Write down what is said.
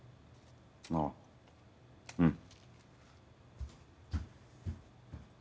ああうん。